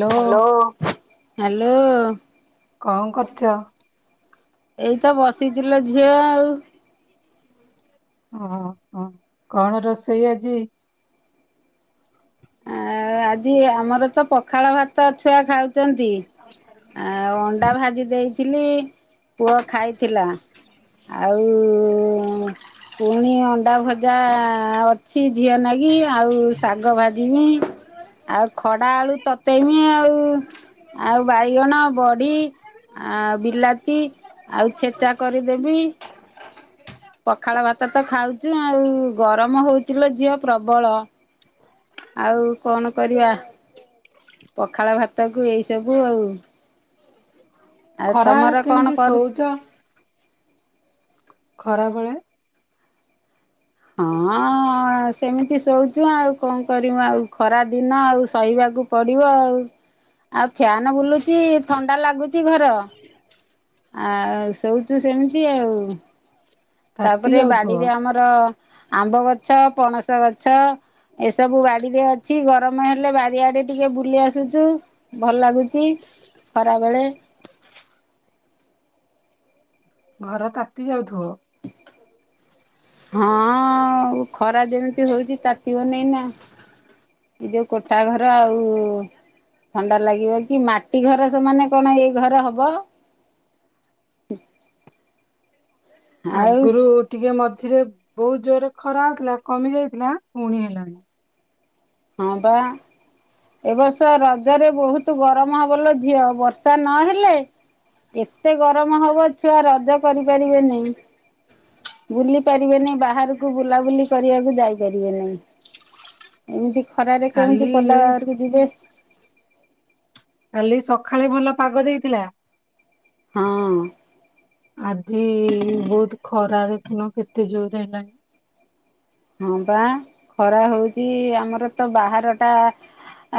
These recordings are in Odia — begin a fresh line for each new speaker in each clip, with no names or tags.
Hello
hello.
କଣ କରୁଚ?
ଏଇତ ବସିଚି ଲୋ ଝିଅ ଆଉ।
ଓ ହ କଣ ରୋଷେଇ ଆଜି?
ଆ ଆଜି ଆମର ତ ପଖାଳ ଭାତ ଛୁଆ ଖାଉଚନ୍ତି। ଆଉ ଅଣ୍ଡା ଭାଜି ଦେଇଥିଲି ପୁଅ ଖାଇଥିଲା। ଆଉ ପୁଣି ଅଣ୍ଡା ଭଜା ଅଛି ଝିଅ ନାଗି, ଆଉ ଶାଗ ଭା ଯିମି ଆଉ ଖଡା ଆଳୁ ତତେଇମି ଆଉ। ଆଉ ବାଇଗଣ, ବଡି, ଆ ବିଲାତି ଆଉ ଛେଚା କରିଦେବି। ପଖାଳ ଭାତ ତ ଖାଉଚୁ ଆଉ ଗରମ ହଉଚି ଲୋ ଝିଅ ପ୍ରବଳ। ଆଉ କଣ କରିବା ପଖାଳ ଭାତ କୁ ଏଇ ସବୁ ଆଉ। ଆଉ
ଖରା ବେଳେ
ତମର କଣ
କେମିତି
କରୁ
ସୋଉଚ? ଖରାବେଳେ
ହଁ ସେମିତି ଶଉଚୁ ଆଉ କଣ କରିବୁ ଆଉ ଖରା ଦିନ ଆଉ ସହି ବାକୁ ପଡିବ ଆଉ ଆଉ ଫ୍ୟାନ ବୁଲୁଚି ଥଣ୍ଡା ଲାଗୁଚି ଘର। ଆଉ ସଉଚୁ ସେମିତି ଆଉ।
ତାତି
ତାପରେ
ଯାଉଥିବ
ବାଡିରେ ଆମର ଆମ୍ବ ଗଛ, ପଣସ ଗଛ ଏସବୁ ବାଡିରେ ଅଛି ଗରମ ହେଲେ ବାଡିଆଡେ ଟିକେ ବୁଲି ଆସୁଛୁ। ଭଲ ଲାଗୁଛି ଖରା ବେଳେ।
ଘର ତାତି ଯାଉଥିବ।
ହଁ, ଉ। ଖରା ଯେମିତି ହଉଛି ତାତିିବ ନେଇାଇନା ଏ ଯୋଉ କୋଠା ଘର ଆଉ ଥଣ୍ଡା ଲାଗିବ କି ମାଟି ଘର ସେମାନେ କଣ ଏଇ ଘର ହବ। ଆଉ
ଆଗରୁ ଟିକେ ମଝିରେ ବହୁତ୍ ଜୋରେ ଖରା ହଉଥିଲା କମି ଯାଇଥିଲା ପୁଣି ହେଲାଣି।
ହଁ, ବା। ଏ ବର୍ଷ ରଜରେ ବହୁତ୍ ଗରମ ହବ ଲୋ ଝିଅ ବର୍ଷା ନହେଲେ ଏତେ ଗରମ ହବ ଛୁଆ ରଜ କରି ପାରିବେ ନେଇ। ବୁଲି ପାରିବେନି ବାହାରକୁ ବୁଲାବୁଲି କରିବାକୁ ଯାଇପାରିବେ ନାହିଁ। ଏମିତି ଖରାରେ କେମିତି
କାଲି
ପଦା ବାହାଘରକୁ ଯିବେ।
କାଲି ସଖାଳେ ଭଲ ପାଗ ଦେଇଥିଲା।
ହଁ, ଅ।
ଆଜି ବହୁତ୍ ଖରା ରେ ଦେଖୁନ କେତେ ଜୋରରେ ହେଲାଣି।
ହଁ ବା ଖରା ହଉଚି ଆମର ତ ବାହାର ଟା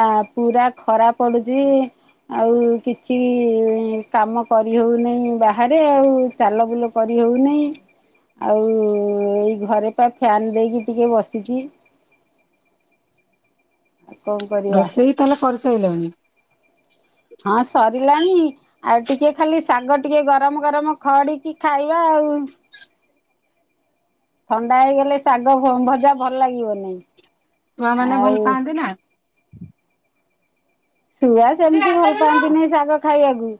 ଆ ପୁରା ଖରା ପଡୁଛି। ଆଉ କିଛି କାମ କରି ହଉନେଇ ବାହାରେ ଆଉ। ଚାଲ ବୁଲ କରି ହଉନି ଆଉ ଏଇ ଘରେ ପା ଫ୍ୟାନ୍ ଦେଇ ବି ଟିକେ ବସିଛି। ଆଉ କଣ କରିବା
ରୋଷେଇ ତାହେଲେ କରି ସାଇଲଣି?
ହଁ ସରିଲାଣି। ଆଉ ଟିକେ ଖାଲି ଶାଗ ଟିକେ ଗରମ ଗରମ ଖଡିକି ଖାଇବା ଆଉ। ଥଣ୍ଡା ହେଇଗଲେ ଶାଗ ଭ-ଭଜା ଭଲ ଲାଗିବ ନାଇଁ।
ଛୁଆମାନେ ଭଲ ପାଆନ୍ତି ନା।
ଛୁଆ ସେମିତି ଭଲ ପାଆନ୍ତିନି ଶାଗ ଖାଇବାକୁ।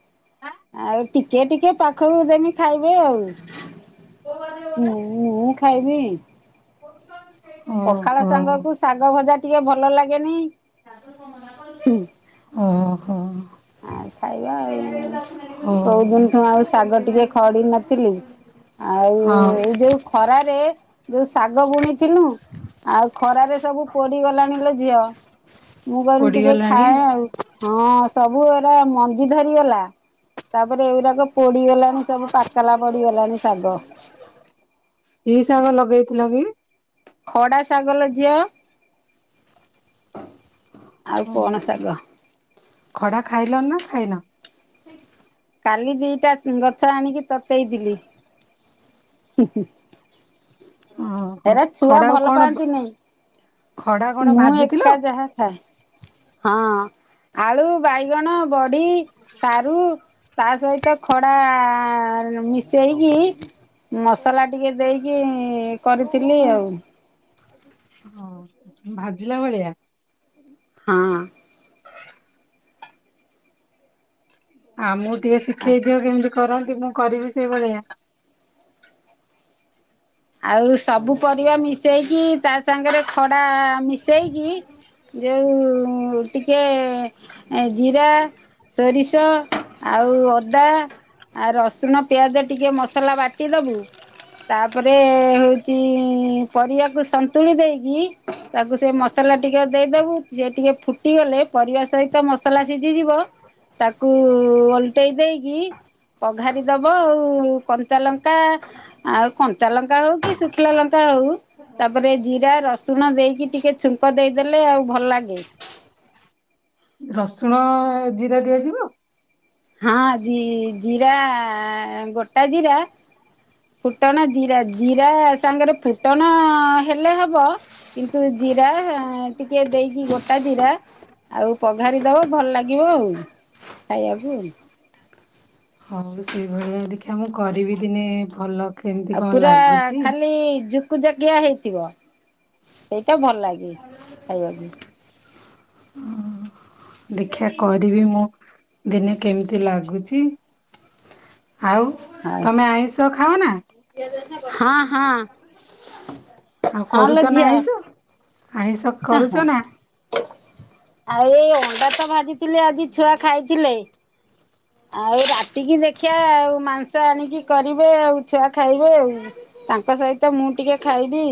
ଆଉ ଟିକେ ଟିକେ ପାଖକୁ ଦେମି ଖାଇବେ ଆଉ।
କୁ ଆ ଜୋ
ମୁଁ ଉ ଉ ଖାଇବି।
କହୁଛ।
ପଖାଳ ସାଙ୍ଗ କୁ ଶାଗ ଭଜା ଟିକେ ଭଲ ଲାଗେନି।
ଶାଗ କ ଭ [unintelligible]
ହୁଁ।
ଓ ହୋ।
ଆ ଖାଇବା ଆଉ
ହଉ
କୋଉଦିନଠୁ ଆଉ ଶାଗ ଟିକେ ଖଡି ନଥିଲି ଆଉ
ହଁ
ଏଇ ଯୋଉ ଖରାରେ ଯୋଉ ଶାଗ ବୁଣିଥିଲୁ ଆଉ ଖରାରେ ସବୁ ପୋଡିଗଲାଣି ଲୋ ଝିଅ। ମୁଁ କହିଲି ଟିକେ
ପୋଡିଗଲାଣି
ଖାଏ ଆଉ, ହଁ। ସବୁ ଏଟା ମଞ୍ଜି ଧରିଗଲା ତାପରେ ଏଗୁଡା ତ ପୋଡିଗଲାଣି ସବୁ ପାକଲା ପଡିଗଲାଣି ଶାଗ।
କି ସାଗ ଲଗେଇଥିଲ କି?
ଖଡା ଶାଗ ଲୋ ଝିଅ। ଆଉ କଣ ଶାଗ?
ଖଡ଼ା ଖାଇଲଣି ନା ଖାଇନ?
କାଲି ଦିଟା ଗଛ ଆଣିକି ତତେଇଥିଲି।
ଓହୋ
ହେରା ଛୁଆ
ଖଡାକୁ
ଭଲ
କଣ
ପାଆନ୍ତି
ଖଡା କଣ
ନାଇଁ ମୁଁ
ଭାଜିଥିଲ?
ଏକା ଯାହା ଖାଏ। ହଁ ଆଳୁ ବାଇଗଣ ବଡି ସାରୁ ତା ସହିତ ଖଡା ମିଶେଇକି ମସଲା ଟିକେ ଦେଇକି ଏଇଁ କରିଥିଲି ଆଉ
ହଁ ଭାଜିଲା ଭଳିଆ?
ହଁ।
ହ [inaudible] ଆମୁକୁ ଟିକେ ଶିଖେଇ ଦିଅ କେମିତି କରନ୍ତି ମୁଁ କରିବି ସେଇଭଳିଆ।
ଆଉ ସବୁ ପରିବା ମିଶେଇକି ତା ସାଙ୍ଗରେ ଖଡା ମିଶେଇକି ଯେଉ ଟିକେ ଏ ଜିରା ସୋରିଷ ଆଉ ଅଦା ଆଉ ରସୁଣ ପିଆଜ ଟିକେ ମସଲା ବାଟିଦବୁ ତାପରେ ହଉଛି ପରିବାକୁ ସନ୍ତୁଳି ଦେଇକି ତାକୁ ସେ ମସଲା ଟିକେ ଦେଇଦବୁ ସେ ଟିକେ ଫୁଟିଗଲେ ପରିବା ସହିତ ମସଲା ସିଝିଯିବ ତାକୁ ଓଲଟେଇ ଦେଇକି ପଘାରି ଦବ ଆଉ କଞ୍ଚା ଲଙ୍କା ଆଉ କଞ୍ଚା ଲଙ୍କା ହଉ କି ଶୁଖିଲା ଲଙ୍କା ହଉ ତାପରେ ଜିରା ରସୁଣ ଦେଇକି ଟିକେ ଛୁଙ୍କ ଦେଇଦେଲେ ଆଉ ଭଲ ଲାଗେ
ରସୁଣ ଓ ଜିରା ଦିଆଯିବ?
ହଁ ଜୀ ଜିରା ଗୋଟା ଜିରା ଫୁଟଣ ଜିରା ଜିରା ସାଙ୍ଗରେ ଫୁଟଣ ହେଲେ ହବ କିନ୍ତୁ ଜିରା ଆ ଟିକେ ଦେଇକି ଗୋଟା ଜିରା ଆଉ ପଘାରି ଦବ ଭଲ ଲାଗିବ ଆଉ ଖାଇବାକୁ।
ଆଉ ସେଇଭଳିଆ ଦେଖିବା ମୁଁ କରିବି ଦିନେ ଭଲ କେମିତି
ଆଉ
କଣ
ପୁରା
ଲାଗୁଛି।
ଖାଲି ଜୁ କୁଯାକିଆ ହେଇଥିବ ସେଇଟା ଭଲ ଲାଗେ ଖାଇବାକୁ।
ଦେଖିବା କରିବି ମୁଁ ଦିନେ କେମିତି ଲାଗୁଛି? ଆଉ
ହଁ
ତମେ ଆଇଁଷ ଖାଅ ନା?
ହଁ ହଁ।
ଆଉ
ହଁ ଲୋ
କରୁଛ ନା
ଝିଅ
ଆଇଁଷ ଆଇଁଷ କରୁଛ
ହଁ
ନା?
ଆଉ ଅଣ୍ଡା ତ ଭାଜିଥିଲି ଆଜି ଛୁଆ ଖାଇଥିଲେ ଆଉ ରାତିକି ଦେଖିବା ଆଉ ମାଂସ ଆଣିକି କରିବେ ଆଉ ଛୁଆ ଖାଇବେ ଆଉ। ତାଙ୍କ ସହିତ ମୁଁ ଟିକେ ଖାଇବି।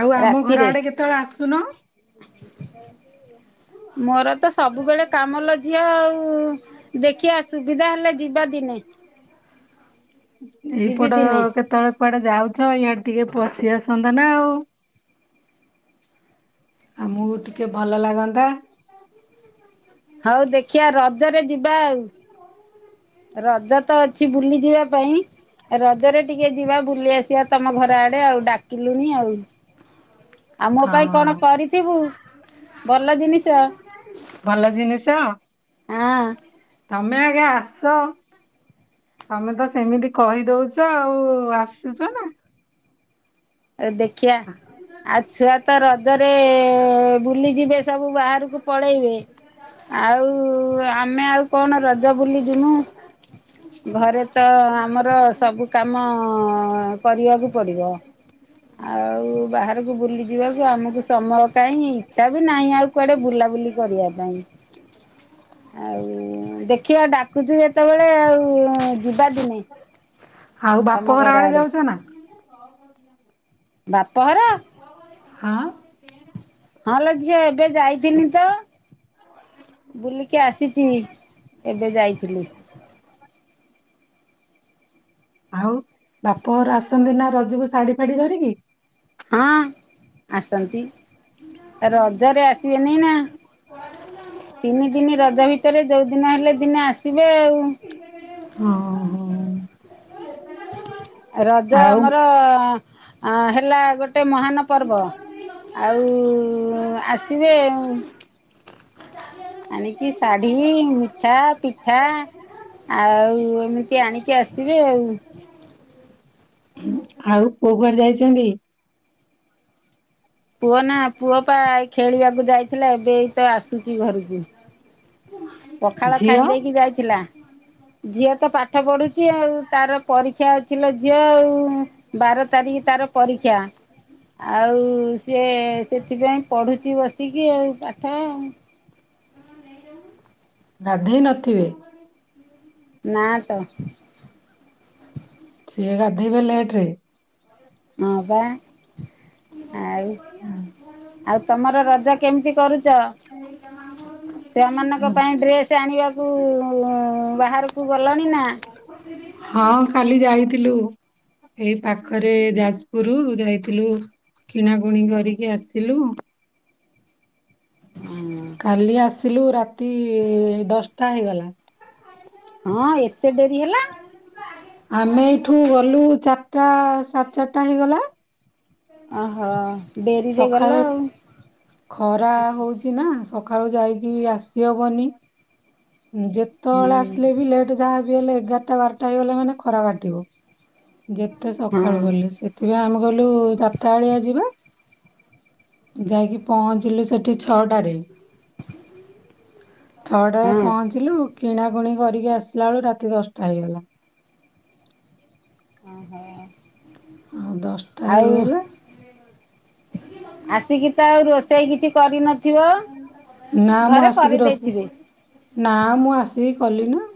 ଆଉ ଆମ ଘର
ରାତିରେ
ଆଡେ କେତେବେଳେ ଆସୁନ?
ମୋର ତ ସବୁବେଳେ କାମ ଲୋ ଝିଅ ଆଉ ଦେଖିବା ସୁବିଧା ହେଲେ ଯିବା ଦିନେ। ଯିବି
ଏଇପଟ ଅ
ଦିନେ
କେତେବେଳେ କୁଆଡେ ଯାଉଛ ଇଆଡ଼େ ଟିକେ ପଶି ଆସନ୍ତ ନା ଆଉ। ଆମୁକୁ ଟିକେ ଭଲ ଲାଗନ୍ତା।
ହଉ ଦେଖିବା ରଜରେ ଯିବା ଆଉ। ରଜ ତ ଅଛି ବୁଲି ଯିବା ପାଇଁ ରଜରେ ଟିକେ ଯିବା ବୁଲି ଆସ ଯିବା ତମ ଘର ଆଡେ ଆଉ ଡାକିଲୁଣି ଆଉ। ଆଉ ମୋ ପାଇଁ କଣ
ହଁ
କରିଥିବୁ ଭଲ ଜିନିଷ?
ଭଲ ଜିନିଷ
ହଁ
ତମେ ଆଗେ ଆସ ତମେ ତ ସେମିତି କହିଦଉଛ ଆଉ ଆସୁଛ ନା।
ଦେଖିବା ଆଉ ଛୁଆ ତ ରଜରେ ଏ ବୁଲିଯିବେ ସବୁ ବାହାରକୁ ପଳେଇବେ ଆଉ କୁ ଆମେ ଆଉ କଣ ରଜ ବୁଲି ଜିମୂ। ଘରେ ତ ଆମର ସବୁ କାମ କରିବାକୁ ପଡିବ। ଆଉ ବାହାରକୁ ବୁଲି ଯିବାକୁ ଆମକୁ ସମୟ କାହିଁ ଇଚ୍ଛା ବି ନାହିଁ ଆଉ କୁଆଡେ ବୁଲାବୁଲି କରିବା ପାଇଁ।
[inaudible]
ଆଉ ଉ ଦେଖିବା ଡାକୁଛୁ ଯେତେବେଳେ ଆଉ ଯିବା ଦିନେ
ଆଉ
ତମ
ବାପଘର
ଘର ଆଡେ।
ଯାଉଛ ନା?
ବାପଘର।
ହଁ।
ହଁ ଲୋ ଝିଅ ଏବେ ଯାଇଥିନି ତ। ବୁଲିକି ଆସିଛି ଏବେ ଯାଇଥିଲି।
ଆଉ ବାପର ଆସନ୍ତି ନା ରଜୁକୁ ଶାଢୀ ଫାଡି ଧରିକି।
ହଁ ଆସନ୍ତି ରଜରେ ଆସିବେନି ନା। ତିନି ଦିନ ରଜ ଭିତରେ ଯୋଉ ଦିନ ହେଲେ ଦିନେ ଆସିବେ ଆଉ।
ହଁ। ହଁ
ରଜ
ଆଉ
ଆମର ହେଲା ଗୋଟେ ମହାନ ପର୍ବ ଆଉ ଆସିବେ। ଆଣିକି ଶାଢ଼ୀ ମିଠା ପିଠା। ଆଉ ଏମିତି ଆଣିକି ଆସିବେ ଆଉ।
ଆଉ ପୁଅ କୁଆଡେ ଯାଇଛନ୍ତି?
ପୁଅ ନା ପୁଅ ପା ଏ ଖେଳିବାକୁ ଯାଇଥିଲା ଏବେ ହେଇତ ଆସୁଛି ଘରକୁ। ପଖାଳ
ଝିଅ
ଖାଇ ଦେଇକି ଯାଇଥିଲା ଝିଅ ତ ପା ପାଠ ପଢୁଛି ଆଉ ତାର ପରୀକ୍ଷା ଅଛିଲୋ ଝିଅ ଆଉ। ବାର ତାରିଖ ତାର ପରୀକ୍ଷା। ଆଉ ସିଏ ସେଥିପାଇଁ ପଢ଼ୁଛି ବସିକି ଆଉ ପାଠ।
ଗାଧୋଇ ନଥିବେ।
ନା ତ।
ସିଏ ଗାଧୋଇବେ ଲେଟରେ।
ହଁ ପା। ଆଉ ତମର ରଜ କେମିତି କରୁଛ?
[inaudible]
ଛୁଆମାନଙ୍କ ପାଇଁ ଡ୍ରେସ୍ ଆଣିବାକୁ ବାହାରକୁ ଗଲଣି ନା।
ହଁ କାଲି ଯାଇଥିଲୁ। ଏଇ ପାଖରେ ଯାଜପୁର ଯାଇଥିଲୁ କିଣାକୁଣି କରିକି ଆସିଲୁ। କାଲି ଆସିଲୁ ରାତି ଦଶଟା ହେଇଗଲା।
ହଁ ଏତେ ଡେରି ହେଲା।
ଆମେ ଏଇଠୁ ଗଲୁ ଚାରିଟା ସାଢ଼େ ଚାରିଟା ହେଇଗଲା।
ଓହୋ ଡେରିରେ
ସକାଳେ
ଗଲ ଆଉ।
ଖରା ହଉଛି ନା ସକାଳୁ ଯାଇକି ଆସିହବନି ଯେ ଯେତବେଳେ
ହୁଁ
ଆସିଲେ ବି ଲେଟ୍ ଯାହା ବି ହେଲେ ଏଗାରଟା ବାରଟା ହେଇଗଲେ ମାନେ ଖରା କାଟିବ। ଯେତେ
ହଁ
ସକାଳୁ ଗଲେ ସେ ପ ଆମେ ଗଲୁ ଚାରିଟା ଆଳିଆ ଯିବା ଯାଇକି ପହଞ୍ଚିଲୁ ସେଠି ଛଅଟାରେ, ଛଅଟାରେ
ହଁ
ପହଞ୍ଚିଲୁ କିଣାକଣି କରିକି ଆସିଲା ବେଳ ରାତି ଦଶଟା ହେଇଗଲା।
ଓହୋ।
ଆଉ ଦଶଟା ହେଇଗଲା
ଆସିକି ତ ଆଉ ରୋଷେଇ କିଛି କରିନଥିବ? ଘରେ କରି ଦେଇେଥିବି।
ନାଁ ମୁଁ ଆସିକି କଲି ନା।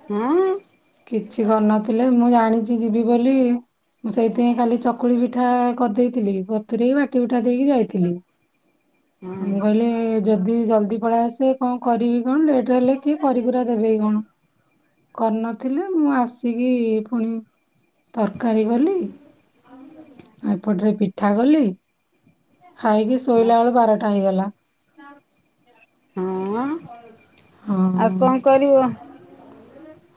ହୁଁ।
କିଛି କରିନଥିଲେ ମୁଁ ଜାଣିଚି ଯିବି ବୋଲି ମୁଁ ସେଇଥିପାଇଁ ଖାଲି ଚକୁଳି ପିଠା କରିଦେଇଥିଲି ବତୁରି ବାଟି ବୁଟା ଦେଇକି ଯାଇଥିଲି। ମୁଁ
ହଁ
କଇଲି ଯ ଯଦି ଜଲଦି ପଳେଇ ଆସେ କଣ କରିବି କଣ ଲେଟ୍ ହେଲେ କି କରି କୁରା ଦେବେ କଣ। କର୍ଣ୍ଣ ଥିଲେ ମୁଁ ଆସିକି ପୁଣି ତରକାରୀ କଲି ଏପଟରେ ପିଠା କଲି ଖାଇକି ଶୋଇଲା ବେଳ ବାରଟା ହେଇଗଲା।
ହଁ
ହଁ
ଆଉ କଣ କରିବ?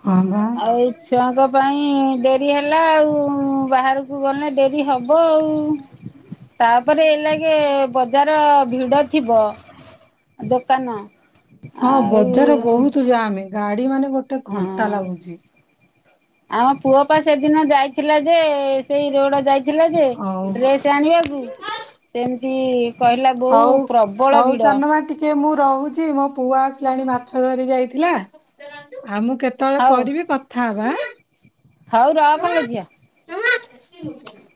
ହଁ ବା।
ଆଉ ଏଇ ଛୁଆଙ୍କ ପାଇଁ ଡେରି ହେଲା ଆଉ ବାହାରକୁ ଗଲେ ଡେରି ହବ ଆଉ।
[inaudible]
ତାପରେ ଏ ଲାଗେ ବଜାର ଭିଡ ଥିବ ଦୋକାନ
ହଁ
ଆଉ
ବଜାର ବହୁତୁ ଯାମେ ଗାଡି ମାନେ ଗୋଟେ ଘଣ୍ଟା
ହଁ
ଲାଗୁଚି।
ଆମ ପୁଅ ପା ସେଦିନ ଯାଇଥିଲା ଯେ ସେଇ ରୋଡ ଯାଇଥିଲା ଯେ
ହଉ
ଡ୍ରେସ ଆଣିବାକୁ ସେମିତି କହିଲା ବୋଉ ପ୍ରବଳ ଭିଡ଼
କିଏ ମୁଁ ରହୁଚି ମୋ ପୁଅ ଆସିଲାଣି ମାଛ ଧରି ଯାଇଥିଲା ଆ ମୁ କେତ୍ ତଳେ
ହଉ
କରିବି କଥା ହବା ଆଁ।
ହଉ ରଖ୍ ଲୋ ଝିଅ।
[inaudible]